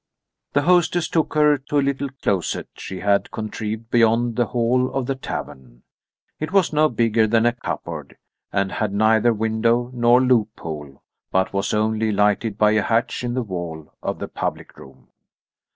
The hostess took her to a little closet she had contrived beyond the hall of the tavern. It was no bigger than a cupboard and had neither window nor loophole, but was only lighted by a hatch in the wall of the public room.